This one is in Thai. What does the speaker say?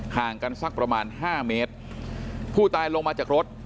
ห่างกันสักประมาณห้าเมตรผู้ตายลงมาจากรถ